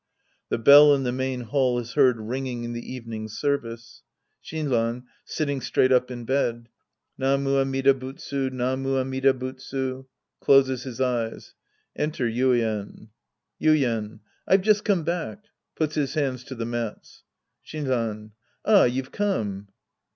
{The bell in the main hall is heard ringing in the evening service^ Shinran {sitting straight up it bed). Namu Amida Butsu. Namu Amida Butsu. {^Closes his eyes. Enter YUIEN.) Yuien. I've just come back. {Puts his hands to the mats.) Shinran. Ah, you've come.